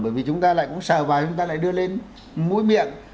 bởi vì chúng ta lại cũng sờ vào chúng ta lại đưa lên mũi miệng